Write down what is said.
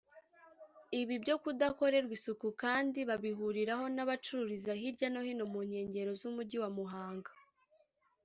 Ibi byo kudakorerwa isuku kandi babihuriraho n’abacururiza hirya no hino mu nkengero z’Umujyi wa Muhanga